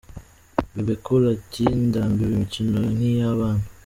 Bebe Cool ati “Ndambiwe imikino nk’iy’abana.